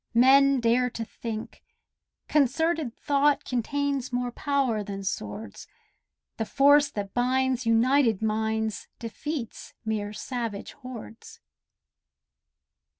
Men dare to think. Concerted thought Contains more power than swords: The force that binds united minds Defeats mere savage hordes.